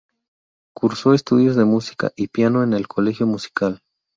Cursó estudios de música y piano en el Colegio Musical.